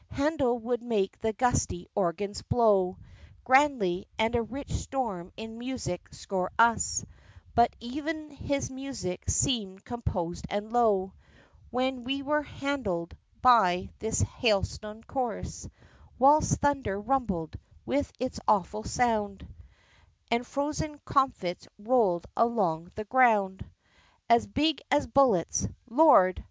Handel would make the gusty organs blow Grandly, and a rich storm in music score us: But ev'n his music seemed composed and low, When we were handled by this Hailstone Chorus; Whilst thunder rumbled, with its awful sound, And frozen comfits rolled along the ground As big as bullets: Lord!